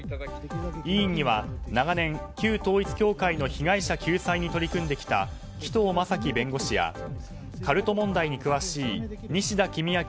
委員には長年、旧統一教会の被害者救済に取り組んできた紀藤正樹弁護士やカルト問題に詳しい西田公昭